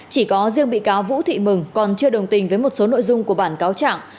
chỉ có riêng bị cáo vũ thị mừng còn chưa đồng tình với một số nội dung của bản cáo trạng